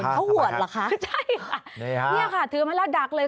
เขาหวดเหรอคะใช่ค่ะเนี่ยค่ะถือมาแล้วดักเลย